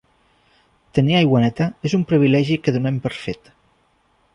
Tenir aigua neta és un privilegi que donem per fet.